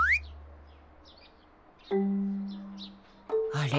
あれ？